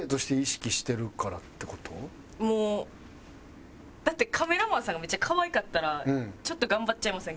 もうだってカメラマンさんがめっちゃ可愛かったらちょっと頑張っちゃいません？